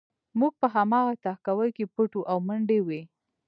موږ په هماغه تهکوي کې پټ وو او منډې وې